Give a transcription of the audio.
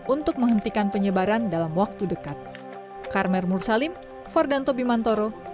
untuk menghentikan penyebaran dalam waktu dekat